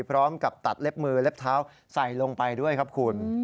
พร้อมกับตัดเล็บมือเล็บเท้าใส่ลงไปด้วยครับคุณ